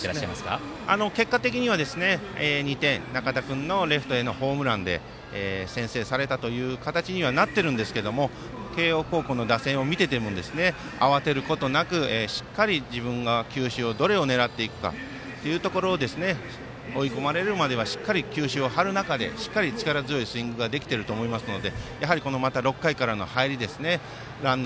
結果的には２点仲田君のレフトへのホームランで先制されたという形にはなってるんですけれども慶応高校の打線を見ても慌てることなく、しっかり自分が球種をどれを狙っていくかというところを追い込まれるまではしっかり球種を張る中でしっかり力強いスイングができてると思うのでまた６回からの入りですね。